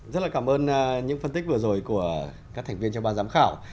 rất là cảm ơn những phân tích vừa rồi của các thành viên trong ban giám khảo